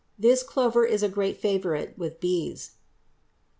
This clover is a great favorite with bees.